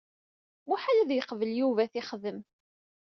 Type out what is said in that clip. Muḥal ad iqbel Yuba ad t-ixdem.